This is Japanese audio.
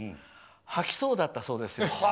吐きそうだったそうですよ。